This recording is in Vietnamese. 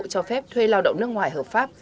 cho phép thuê lao động nước ngoài hợp pháp